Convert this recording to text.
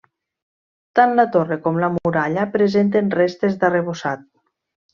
Tant la torre com la muralla presenten restes d'arrebossat.